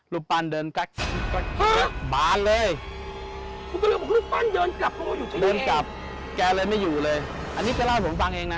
ลูปปันเดินกะบานเลยเริ่มกลับแกเลยไม่อยู่เลยอันนี้ก็เล่าให้ผมฟังเองนะ